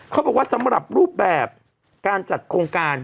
เขาบอกว่าสำหรับรูปแบบการจัดโครงการ